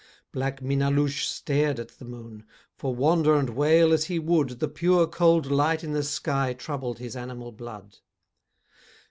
Black Minnaloushe stared at the moon, For wander and wail as he would The pure cold light in the sky Troubled his animal blood.